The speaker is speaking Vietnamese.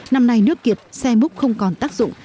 năm nay nước kiệt xe múc không còn tác dụng